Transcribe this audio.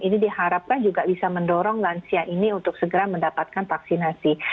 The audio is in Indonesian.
ini diharapkan juga bisa mendorong lansia ini untuk segera mendapatkan vaksinasi